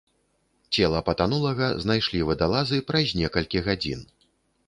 Цела патанулага знайшлі вадалазы праз некалькі гадзін.